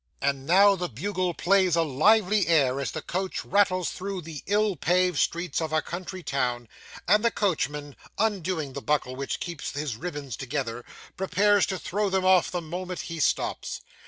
And now the bugle plays a lively air as the coach rattles through the ill paved streets of a country town; and the coachman, undoing the buckle which keeps his ribands together, prepares to throw them off the moment he stops.